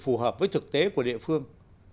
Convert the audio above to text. phù hợp với thực tế của địa phương